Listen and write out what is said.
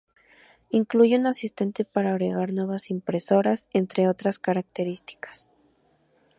Incluye un asistente para agregar nuevas impresoras, entre otras características.